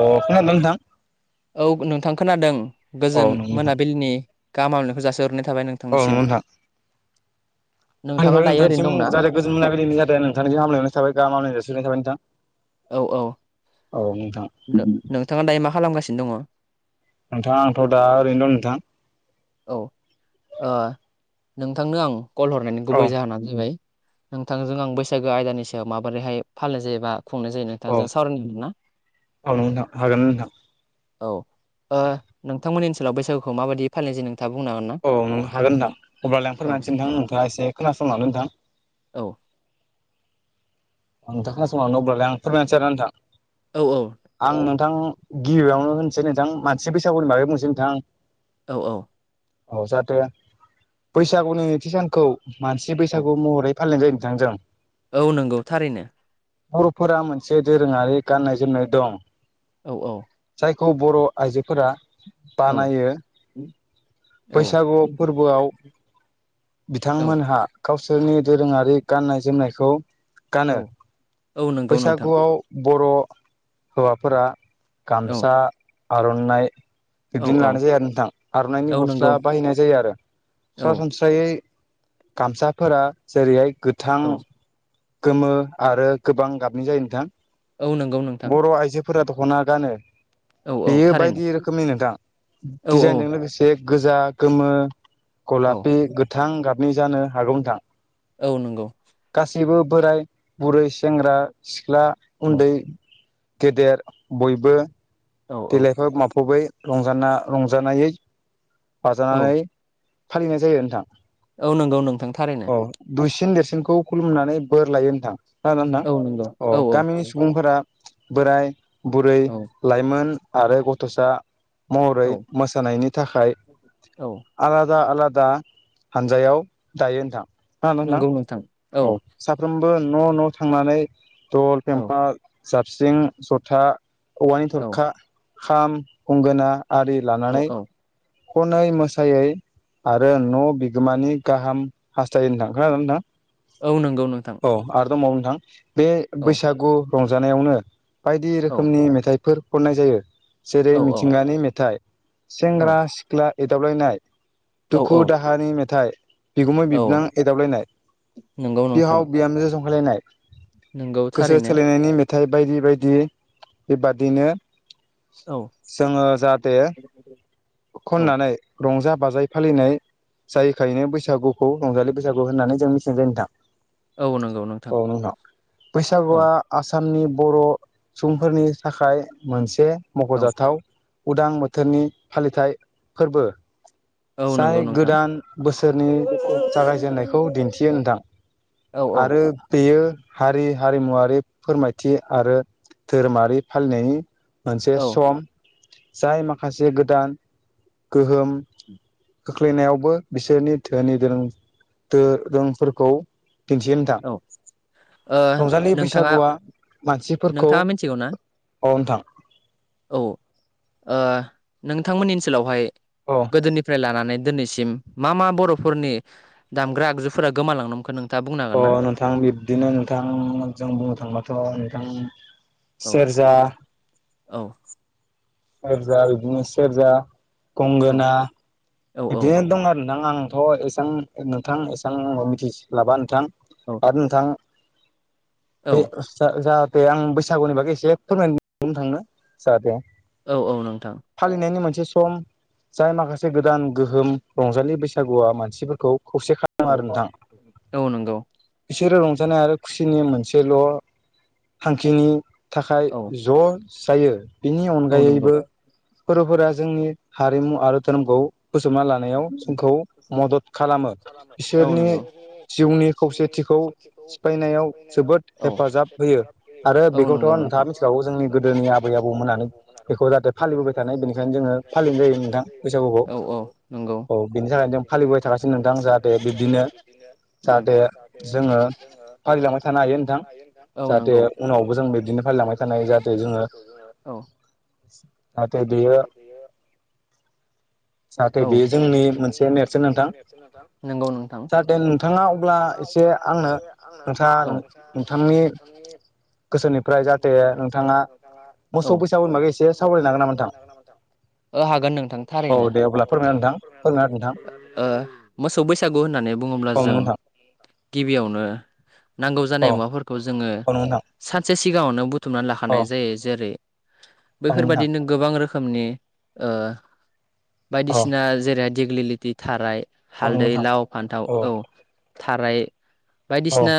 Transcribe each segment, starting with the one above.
अ खोनादोंना नोंथां? औ नोंथां खोनादों। नोंथां गोजोन औ नंगौ नोंथां मोनाबिलिनि गाहाम हामलायनायखौ जासिहरनाय थाबाय नोंथां। औ नंगौ नोंथां। नोंथाङा आंनिफ्रायबो दायो ओरैनो नोंथांसिम दंना जाथे गोजोन मोनाबिलिनि जाथे नोंथांनिसिम हामलायनाय थाबाय गाहाम हामलायहरनाय जासि हरनाय थाबाय नोंथां। औ- औ। औ नोंथां। नों-नोंथाङा दायो मा खालामगासिनो दङ? नोंथां आंथ' दा ओरैनो दं नोंथां। औ ओ नोंथांनो आं कल हरनायनि औ गुबै जाहोनानो जाहैबाय। नोंथांजों आं बैसागो आयदानि सायाव माबोरैहाय फालिनाय जायोबा खुंनाय जायो नों। औ नोंथांजों सावरायनो ना? औ नोंथां हागोन नोंथां औ ओ नोंथांमोननि ओनसोलाव बैसागुखौ माबायदि फालिनाय जायो नोंथाङा बुंनो हागोन ना? औ ओं हागोन नोंथां। अब्लालाय आं औ फोरमायनोसै नोंथां। नोंथाङा एसे खोनासंलांदो नोंथां। औ। नोंथां खोनासंलांदो अब्लालाय। आं फोरमायनोसै आरोना नोंथां औ आं नोंथां गिबियावनो होनसै नोंथां मानसि बैसागुनि बागै बुंसै नोंथां। औ औ। औ जाहाथे बैसागुनि नैथि सानखौ मानसि औ बैसागु महरै फालिनाय जायो नोंथां जों। औ नंगौ थारैनो। बर'फोरा मोनसे दोरोङारि गाननाय जोमनाय दं औ औ। जायखौ बर' आइजोफोरा औ बानायो। औ बैसागु फोरबोआव औ बिथांमोनहा गावसोरनि दोरोङारि गाननाय जोमनायखौ औ गानो। औ नंगौ नोंथां बैसागुआव बर' हौवाफोरा औ गामसा, आर'नाइ औ बिब्दिनो औ लानाय जायो आरो नोंथां आर'नाइनि औ नंगौ गस्ला बाहायनाय जायो आरो। औ सरासनस्रा फ्राइयै गामसाफोरा जेरैहाय गोथां औ गोमो आरो गोबां गाबनि जायो नोंथां। औ नंगौ नोंथां बर' आइजो फोरा दख'ना गानो औ औ बेयो थारैनो बायदि रोखोमनि नोंथां, औ दिजाइनजों लोगोसे बे गोजा गोमो औ गलापि गोथां गाबनि जानो हागौ नोंथां। औ नंगौ। गासैबो बोराय बुरै, सेंग्रा सिख्ला, औ उन्दै गेदेर बयबो औ देलायफब माफबै रंजाना रंजानायै औ बाजानानै फालिनाय जायो नोंथां। औ नंगौ नोंथां थारैनो। औ दुइसिन देरसिनखौ खुलुमनानै बोर लायो नोंथां। खोनादोंना औ नंगौ नोंथां? अ औ गामिनि औ सुबुंफोरा बोराय, बुरै, औ लाइमोन आरो गथ'सा महरै औ मोसानायनि थाखाय औ आलादा आलादा हानजायाव दायो नोंथां। खोनादोंना नोंथां? औ साफ्रोमबो न' न' थांनानै दल, औ फेम्फा, जाबस्रिं, जथा औवानि औ थरखा, खाम गंगोना आरि औ लानानै खनै मोसायै आरो न' बिगोमानि गाहाम हास्थायनो खोनादोंना नोंथां? औ नंगौ नोंथां। अ आरो दंबावो नोंथां बे औ बैसागु रंजानायावनो बायदि औ रोखोमनि मेथाइफोर खननाय जायो जेरै औ औ मिथिंगानि मेथाइ सेंग्रा-सिख्ला एदावलायनाय औ दुखु दाहानि मेथाइ बिगुमै- औ बिबोनां एदावलायनाय नंगौ नोंथां बिहाव-बिहामजो जंखायलायनाय नंगौ गोसो थारैनो थोलायनायनि मेथाइ बायदि बायदि बेबादिनो औ जोङो जाहाथे औ खननानै रंजा बाजायै फालिनाय जायोखायनो बैसागुखौ रंजालि बैसागु होननानै जों मिथिनाय जायो नोंथां। औ नंगौ औ नोंथां औ बैसागुआ आसामनि बर' सुबुंफोरनि थाखाय मोनसे औ मख'जाथाव उदां बोथोरनि फालिथाय फोरबो औ नंगौ जाय नोंथां गोदान बोसोरनि जागायजेननायखौ दिन्थियो नोंथां। औ औ आरो बेयो हारि हारिमुवारि फोरमायथि आरो धोरोमारि फालिनायनि मोनसे औ सम जाय माखासे गोदान गोहोम खोख्लैनायावबो बिसोरनि धोनि दोरों दोरोंफोरखौ दिन्थियो नोंथां। औ ओ रंजालि नोंथाङा बैसागुआ मानसिफोरखौ नोंथाङा मिथिगौ ना औ नोथां। औ ओ नोंथांमोननि ओनसोलावहाय अ। गोदोनिफ्राय लानानै दिनैसिम मा मा बर'फोरनि दामग्रा आगजुफोरा गोमालांनो हमखो नों अ नोंथां बिब्दिनो नोंथां जों बुंनो थांबाथ' नोंथां औ सेरजा औ। सेरजा बिदिनो सेरजा औ गंगोना औ बिदिनो दं आरो नोंथां आंथ' ए सां नोंथां एसां मिथिस्लाबा नोंथां औ आरो नोंथां औ बे जा-जाहाथे आं बैसागुनि बागै एसे फोरमाय बुंनो थांनो जाहाथे औ औ नोंथां। फालिनायनि मोनसे सम जाय माखासे गोदान गोहोम रंजालि बैसागुआ मानसिफोरखौ खौसे खा औ लामो आरो नोंथां। औ नंगौ बिसोरो रंजानाय आरो खुसिनि मोनसेल' थांखिनि थाखाय औ ज' जायो बिनि औ अनगायै नंगौ फोरबोफोरा जोंनि हारिमु आरो धोरोमखौ बज'बना लानायाव जोंखौ मदद खालामो। औ बिसोरनि नंगौ जिउनि खौसेथिखौ सिफायनायाव जोबोद औ हेफाजाब होयो। आरो औ बेखौथ' नंगौ नोंथां नोंथाङा मिथिखागौ जोंनि गोदोनि आबै आबौ मोननानै बेखौ जाहाथे फालिबोबाय थानाय बेनिखायनो जोङो फालिनाय जायो नोंथां बैसागुखौ। औ औ नंगौ औ बिनि थाखायनो जों फालिबोबाय थाखासिनो नोंथां जाहाथे बिब्दिनो उम जाहाथे जोङो फालिलांबाय थानो हायो नोंथां औ जाहाथे नंगौ उनावबो जों बिदिनो फालिलांबाय थानो हायो जाहाथे जोङो औ। नाथाय बेयो जाहाथे औ बेयो नाथाय जोंनि बेयो मोनसे जोंनि नेरसोन नोंथां मोनसे नेर्सोन नोंथां नोंगौ नोंथां जाहाथे नोंथाङा जाहाथे अब्ला नोंथाङा एसे अब्ला आंनो एसे आंनो औ नोंथाङा नोंथांनि गोसोनिफ्राय जाहाथे नोंथाङा मोसौ बैसागुनि बागै एसे बैसागुनि बागै एसे सावरायनो हागोन नामा नोंथां? औ हागोन नोंथां औ थारैनो। दे अब्ला फोरमायना नोंथां फोरमायना [inaudible] ओ मोसौ बैसागु होननानै बुङोब्ला होदो जों। नोंथां गिबियावनो नांगौ जानाय मुवाफोरखौ जोङो सानसे सिगाङावनो बु थुमनानै औ लाखानाय जायो जेरै नंगौ नोंथां बैफोरबादिनो गोबां रोखोमनि ओ बायदिसिना जेरैहाय दिग्लिलिथि थाराय औ नंगौ हालदै नोंथां लाव फान्थाव औ। थाराय बायदिसिना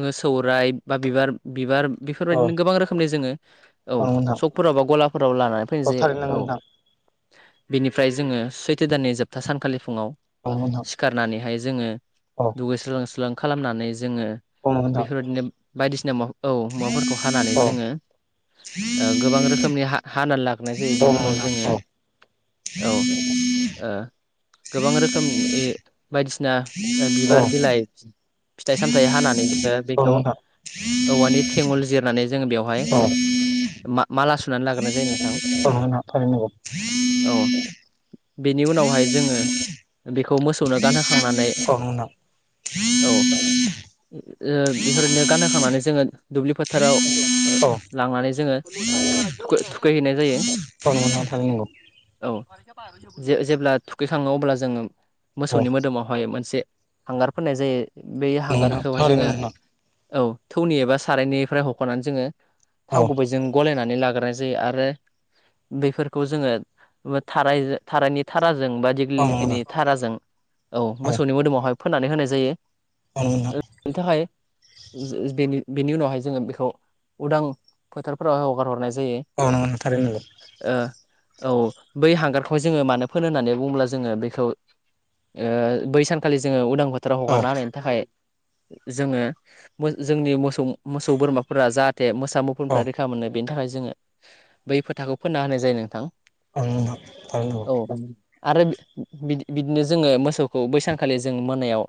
ओ सौराय बा बिबार बिबार औ नंगौ नोंथां औ नंगौ नोंथां औ बेफोरबायदिनो गोबां रोखोमनि जोङो औ नंगौ नोंथां सकफोरावबा गलाफोराव लानानै फैनाय औ थारैनो नंगौ जायो औ। नोंथां ओमफ्राय जोङो सैथो दाननि जोबथा सानखालि फुङाव खालामो नोंथां। नानैहाय जोङो औ दुगैस्रां लोबस्रां खालामनानै जोङो औ नोंथां बेफोरबायदिनो बायदिसिना मुवा औ मुवाफोरखौ हानानै औ जोङो गोबां रोखोमनि हाना लागोनाय जायो औ बेनि उनाव नोंथां जोङो औ औ ओ गोबां रोखोमनि बायदिसिन बिसिना औ बिबार बिलाइ फिथाइ सामथाय हानानै जोङो औ बेखौ नोंथां औवा थेङल जिरनानै जों बेवहाय औ मा माला सु [inaudible] औ। बेनि उनावहाय जोङो बेखौ मोसौनो गानहोखांनानै औ नोंथां औ ओ बेफोरनो गानहखांनानै जोङो दुब्लि फोथाराव औ लांनानै जोङो थु-थुखैहैनाय जायो। थांनांगौ। औ जे-जेब्ला थुखैखाङो अब्ला जोङो नंगौ औ मोसौनि मोदोमाव बायो मोनसे हांगार फोननाय जायो। बे नोंथां हांगारखौहाय थारैनो जोङो नंगौ औ थौनि एबा सारायनिफ्राय हख'नानै जोङो औ थाव गुबै ज जों गलायनानै लाग्रोनाय जायो आरो बेफोरखौ जोङो थारायजो थारायनि थाराजों बा औ दिगलिलिटिनि नंगौ थाराजों औ मोसौनि मोदोमावहाय फोननानै होनाय जायो। अ नोंथां। बेनि थाखाय बे बेनि उनावहाय जोङो बेखौ उदां फोथारफोरावहाय हगार हरनाय जायो। औ नोंथां थारैनो नंगौ। औ बै हांगारखौहाय जोङो मानो फोनो होननानै बुङोब्ला जोङो बेखौ ओ बै सानखालि जोङो उदां ब औ हगारना हानायायनि थाखाय जोङो जोंनि मोसौ मोसौ बोरमाफोरा जा जे मोस औ मुफफ्रा रैखा मोनो। बेनि थाखाय जोङो बै फोथाखौ फोनना होनाय जायो नोंथां। औ [unintelligible] औ आरो बिदि-बिदिनो जोङो मोसौखौ बैसानखालि जों मोनायाव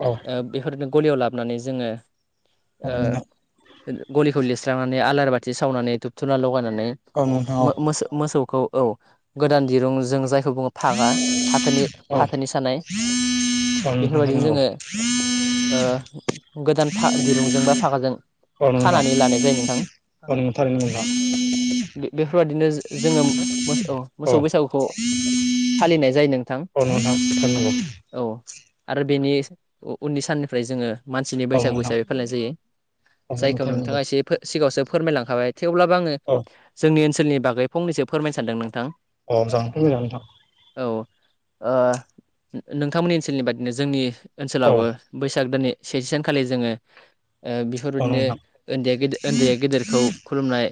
औ। बेफोरनो गलियाव लाबोनानै जोङो औ नोंथां गलिखौ लिरस्रांनानै आलार बाथि सावनानै धुबथुना लगायनानै औ नोंथां औ म मोसौखौ औ गोदान दिरुं जों जायखौ बुङो फागा फाथोनि औ फाथोनि सानाय औ नोंथां थारैनो बेफोरबायदिनो नंगौ जोङो ओ गोदान फा-दिरुंजों बा फागाजों औ नोंथां खानानै लानाय जायो नोंथां। [inaudible] औ नोंथां थारैनो नंगौ बेफोरबायादिनो जोङो मोसौ औ बैसागुखौ फालिनाय जायो नोंथां। [unintelligible] औ आरो बेनि उननि साननिफ्राय जोङो मानसिनि औ बैसागु नोंथां हिसाबै फालिनाय जायो। औ नोंथां जायखौ थारैनो नंगौ नोंथाङा एसे फो सिगाङावसो फोरमायलांखाबाय थेवब्लाबो आङो अ। जोंनि ओनसोलनि बागै फंनैसो फोरमायनो सानदों नोंथां। औ जागोन फोरमाय जागोन नोंथां। औ ओ नोंथांमोननि ओनसोलनि बादिनो जोंनि औ ओनसोलाबो बैसाग दाननि सेे सानखालि जोङो ओ बि औ बेफोरबायदिनो नोंथां ओन्दैया गे उन्दैया गेदेरखौ खुलुमनाय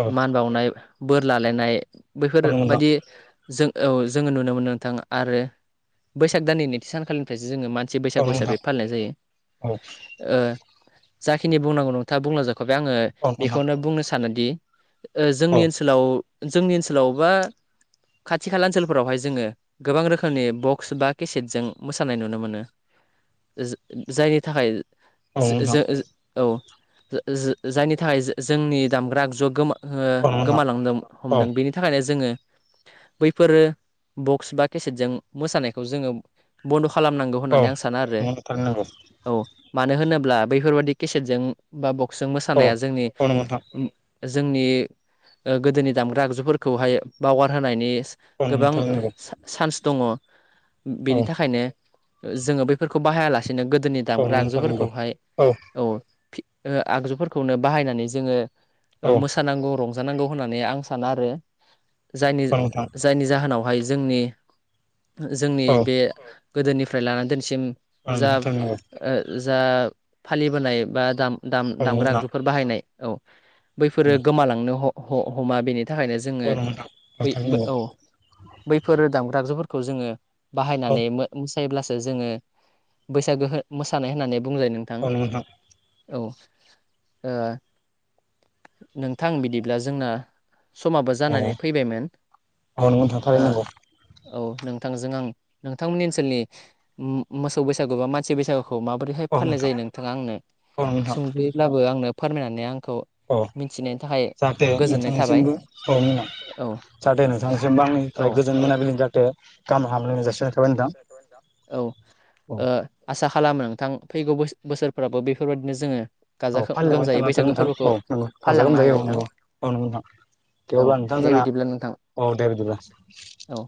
औ मान बावनाय बोर लालायनाय औ नोंथां बेैफोरबायदि जों औ जोङो नुनो मोनो नोंथां आरो बैसाग दाननि नैथि सानखालिनि फ्रायसो जोङो मानसि औ बैसागु नोंथां हिसाबै फालिनाय जायो औ ओ जाखिनि बुंनांगौ नोंथाङा बुंलांजाखाय आङो औ नोंथां बेखौनो बुंनो सानोदि ओ औ जोंनि ओनसोलाव जोंनि ओनसोलाव बा खाथि खाला ओनसोलफोरावहाय जोङो गोबां रोखोमनि बक्स बा केसेटजों मोसानाय नुनो मोनो। ओ जो जायनि थाखाय औ नोंथां जो-जो- औ ओ जो-जो-जायनि थाखाय जो-जोंनि दामग्रा जगमा ओ औ नोंथां गोमालांदों औ हमदों बेनि थाखायनो जोङो बैफोरो बक्स बा केसेटजों मोसानायखौ जोङो बन्द' खालामनांगौ औ होननानै आं सानो आरो नंगौ थारैनो नंगौ औ मानो होनोब्ला बैफोरबादि केसेटजों बा बक्स जों औ मोसानाया जोंनि औ नंगौ नोंथां जोंनि ओ गोदोनि दामग्रा आगजुफोर खौहाय बावगारहोनायनि औ नंगौ गोबां थारैनो नंगौ सा चान्स दङ औ बेनि थाखायनो जोङो बैफोरखौ बाहायालासेनो गोदोनि औ दामग्रा नंगौ थारैनो नंगौ आगजुफोरखौहाय औ फि ओ आगजुफोरखौनो बाहायनानै जोङो औ मो सानांगौ रंजानांगौ होननानै आं सानो आरो जायनि औ नोंथां जायनि जाहोनावहाय जोंनि जोंनि औ बे गोदोनिफ्राय लानानै दिनैसिम औ जा नंगौ थारैनो नंगौ जा फालिबोनाय बा दाम दाम औ नंगौ नोंथां औ नंगौ दामग्रा नोंथां आगजुफोर बाहायनाय औ बैफोरो औ गोमालांनो ह ह हमा बेनि थाखायनो जों थारैनो नंगौ औ नंगौ नोंथां बै बै औ बैफोर दामग्रागजुफोरखौ जोङो बाहायनानै मोसायोब्लासो जोङो बैसागो हो मोसानाय होननानै बुंलाय नोंथां औ ओ नोंथां बिदिब्ला जोंना समाबो औ जानानै फैबायमोन औ नंगौ नोंथां ओ थारैनो नंगौ औ नोंथांजों आं नोंथांमोननि ओनसोलनि मो मोसौ बैसागु बा मानसि बैसागु आंखौ माबोरैहाय औ फालिनाय नोंथां जायो नोंथाङा आंनो औ नोंथां सुंद'यैब्लाबो आंनो फोरमायनानै आंखौ औ मिथिनायनि थाखाय जाहाथे गोजोननाय थाबाय नोंथांनिसिमबो औ मा औ जाहाथे नोंथांनिसिमबो आंनिफ्राय औ गोजोन मोनाबिलि जाहाथे गाहामलायनाय जासिनाय थाबाय नोंथां औ ओ [inaudible] आसा खालामो नोंथां फैगौ बोसोर बोसोरफोरावबो बेफोरबायदिनो जोङो गाजा औ फालिलांबाय गोमजायै थानो हाथों बैसागो नोंथां फोरबोखौ औ नंगौ गाजा फालिलांनो हायो गोमजायै औ नोंथां नंगौ औ नंगौ नोंथां दे औ अब्ला नोंथां दे जोंना बिदिब्ला नोंथां औ दे बिदिब्ला औ